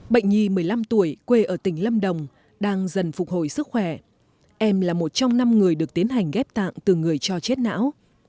bệnh nhi một mươi năm tuổi quê ở tỉnh lâm đồng đang dần phục hồi sức khỏe em là một trong năm người được tiến hành ghép tạng từ người cho chết não